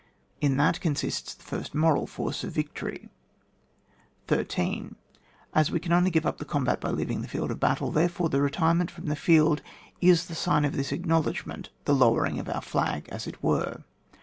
In that consists the first moral force of victory. 13. As we can only give up the combat by leaving the field of battle, therefore the retirement from the field is the sign of this acknowledgment^ the lowering of our Jlag, as it were.